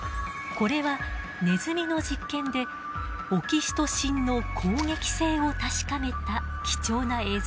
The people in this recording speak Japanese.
これはネズミの実験でオキシトシンの攻撃性を確かめた貴重な映像です。